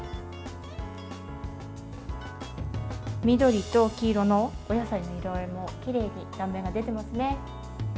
緑と黄色のお野菜の色合いもきれいに断面が出ていますね。